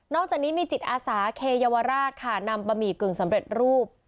จากนี้มีจิตอาสาเคเยาวราชค่ะนำบะหมี่กึ่งสำเร็จรูป